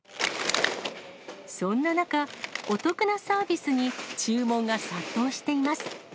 そんな中、お得なサービスに注文が殺到しています。